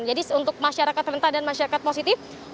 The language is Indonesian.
jadi untuk masyarakat rentan dan masyarakat positif